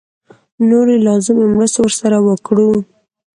نورې لازمې مرستې ورسره وکړو.